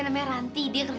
aku masih funuh